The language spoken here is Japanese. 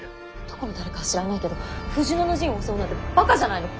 どこの誰かは知らないけど富士野の陣を襲うなんてばかじゃないの。